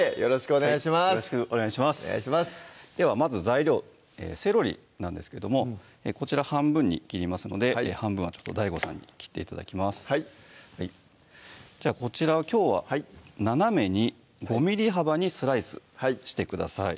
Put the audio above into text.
お願いしますではまず材料セロリなんですけどもこちら半分に切りますので半分はＤＡＩＧＯさんに切って頂きますじゃあこちらをきょうは斜めに５ｍｍ幅にスライスしてください